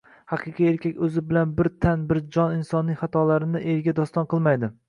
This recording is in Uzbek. Haqiqiy erkak o‘zi bilan bir tan-bir jon insonning xatolarini elga doston qilmaydi.